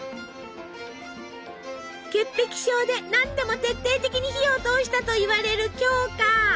潔癖症で何でも徹底的に火を通したといわれる鏡花。